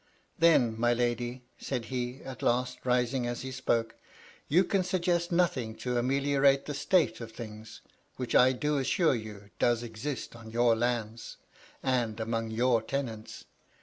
" Then, my lady," said he, at last, rising as he spoke, " you can suggest nothing to ameliorate the state o. things which, I do assure you, does exist on your lands, and among your tenants.